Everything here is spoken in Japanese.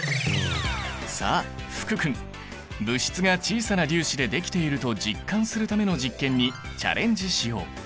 さあ福君物質が小さな粒子でできていると実感するための実験にチャレンジしよう！